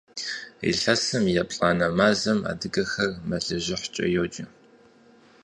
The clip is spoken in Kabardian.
Илъэсым и еплӀанэ мазэм адыгэхэр мэлыжьыхькӀэ йоджэ.